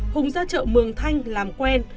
hùng ra chợ mường thanh làm quen